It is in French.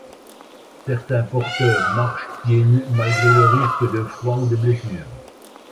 Certains porteurs marchent pieds nus malgré le risque de froid ou de blessure.